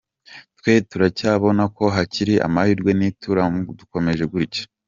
Twe turacyabona ko hakiri amahirwe nituramuka dukomeje gutya.